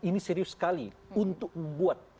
ini serius sekali untuk membuat